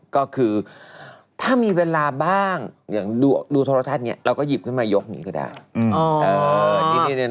ก็คือถ้ามีเวลาบ้างอย่างดูโทรทัศน์เราก็หยิบขึ้นมายกนี้ก็ได้